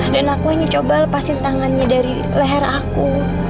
dan aku hanya coba lepasin tangannya dari leher aku